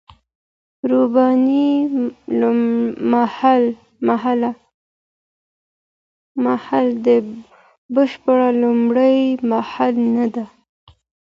رباني مرحله د بشر لومړنۍ مرحله نه ده.